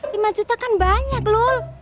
lima juta kan banyak loh